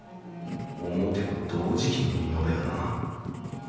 表と同時期のリノベだな。